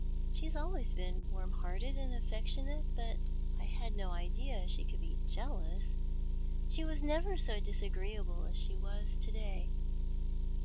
" She has always been warm hearted and affectionate, but I had no idea she could be jealous. She was never so disagreeable as she was to day."